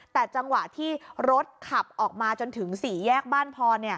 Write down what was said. แต่จังหวะที่รถขับออกมาจนถึง๔แยกบ้านพอ